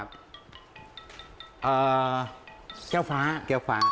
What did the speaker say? แก้วฟ้าแก้วฟ้า